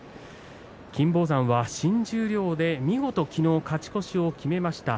金峰山は新十両で見事昨日、勝ち越しを決めました。